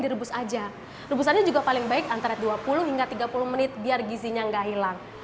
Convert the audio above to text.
direbus aja rebusannya juga paling baik antara dua puluh hingga tiga puluh menit biar gizinya nggak hilang